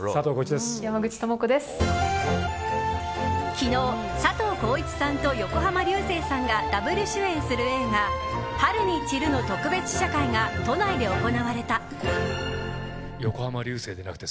昨日、佐藤浩市さんと横浜流星さんがダブル主演する映画「春に散る」の特別試写会が都内で行われた。